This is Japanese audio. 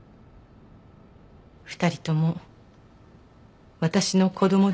２人とも私の子供です。